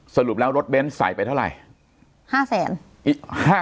สรุปแล้วรถเบ้นใส่ไปเท่าไหร่